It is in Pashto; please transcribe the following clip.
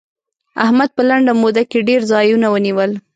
احمد په لنډه موده کې ډېر ځايونه ونيول.